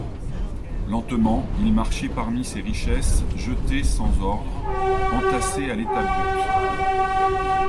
Lentement, il marchait parmi ces richesses jetées sans ordre, entassées à l'état brut.